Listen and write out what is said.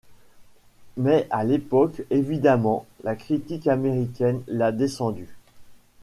Mais à l'époque, évidemment, la critique américaine l'a descendu.